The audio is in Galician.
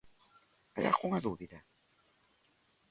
¿Hai algunha dúbida?